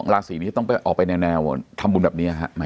ราศีนี้ต้องออกไปแนวทำบุญแบบนี้